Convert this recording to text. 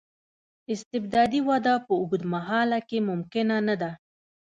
استبدادي وده په اوږد مهال کې ممکنه نه ده.